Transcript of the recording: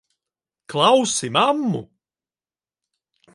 Klausi mammu!